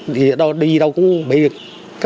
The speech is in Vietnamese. thì ở đó đi đâu cũng bị cấp thiết chứ